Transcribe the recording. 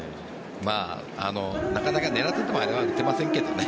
なかなか狙っていてもあれは打てませんけどね。